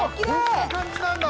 こんな感じなんだ。